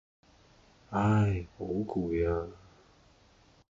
唉，好攰呀